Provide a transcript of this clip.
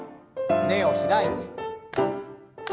胸を開いて。